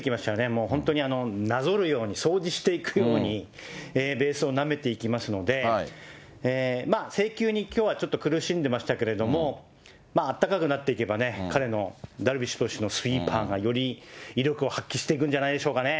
もう本当に、なぞるように、掃除していくように、ベースをなめていきますので、まあ、制球にきょうはちょっと苦しんでましたけれども、あったかくなっていけばね、彼の、ダルビッシュ投手のスイーパーが、より威力を発揮していくんじゃないでしょうかね。